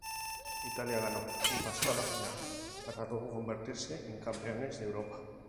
Italia ganó y pasó a la final para luego convertirse en campeones de Europa.